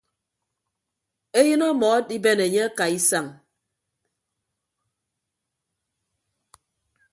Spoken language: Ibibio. Eyịn ọmọ adiben enye akaaisañ.